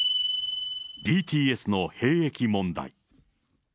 ＢＴＳの兵役問題。